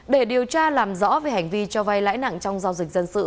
để điều tra làm rõ về hành vi cho vay lãi nặng trong giao dịch dân sự